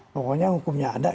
pokoknya hukumnya ada